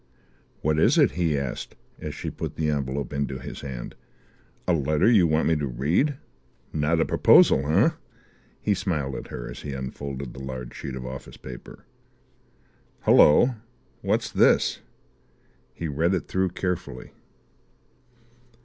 "What is it?" he asked, as she put the envelope into his hand. "A letter you want me to read? Not a proposal, eh?" He smiled at her as he unfolded the large sheet of office paper. "Hullo, what's this?" He read it through carefully.